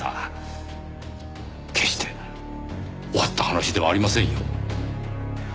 決して終わった話ではありませんよ。